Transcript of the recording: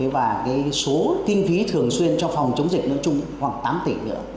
và số tiên phí thường xuyên cho phòng chống dịch nữa chung khoảng tám tỷ nữa